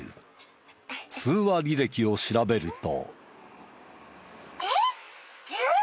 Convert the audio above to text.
通話履歴を調べると。